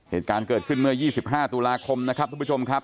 เหตุการณ์เกิดขึ้นเมื่อ๒๕ตุลาคมนะครับทุกผู้ชมครับ